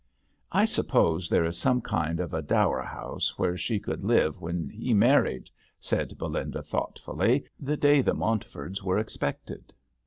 I suppose there is some kind of a dower house where she could live when he married," said Belinda thoughtfully, the day the Montford's were expected.